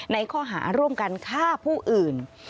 ในข้อหาร่วมกันฆ่าผู้อื่น